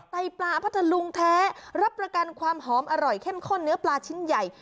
ไตปลาพัทธลุงแท้รับประกันความหอมอร่อยเข้มข้นเนื้อปลาชิ้นใหญ่